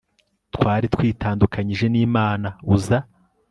twari twitandukanyije n'imana, uza